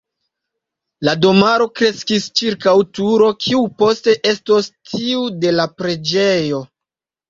La domaro kreskis ĉirkaŭ turo, kiu poste estos tiu de la preĝejo.